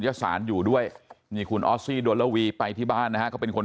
ยสารอยู่ด้วยนี่คุณออสซี่ดวนระวีไปที่บ้านนะฮะเขาเป็นคน